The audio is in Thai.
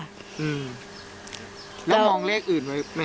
อืมแล้วมองเลขอื่นไหมครับ